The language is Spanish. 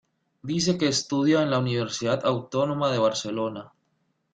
Dice que estudia en la Universidad Autónoma de Barcelona.